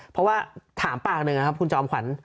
เพราะว่าถามปากหนึ่งนะครับคุณจอมขวัญ